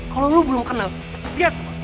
kalau lo belum kenal dia